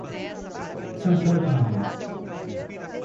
Santana de Mangueira